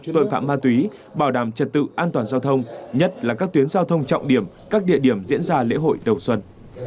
tội phạm ma túy bảo đảm trật tự an toàn giao thông nhất là các tuyến giao thông trọng điểm các địa điểm diễn ra lễ hội đầu xuân